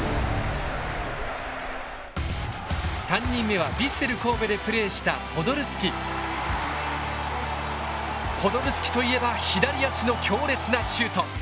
３人目はヴィッセル神戸でプレーしたポドルスキといえば左足の強烈なシュート。